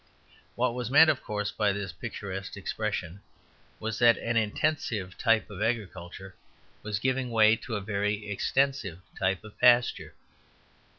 What was meant, of course, by this picturesque expression, was that an intensive type of agriculture was giving way to a very extensive type of pasture.